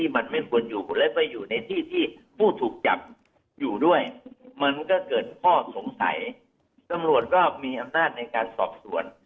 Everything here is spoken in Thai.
มันก็เกิดข้อสงสัยสำรวจก็มีอำนาจในการสอบส่วน